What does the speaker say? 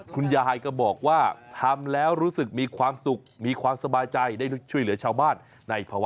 คุณยายขยันมากเลย